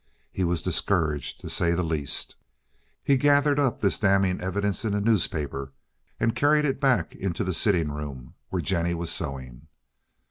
He was discouraged, to say the least. He gathered up this damning evidence in a newspaper and carried it back into the sitting room where Jennie was sewing.